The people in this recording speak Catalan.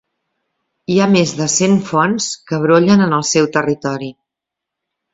Hi ha més de cent fonts que brollen en el seu territori.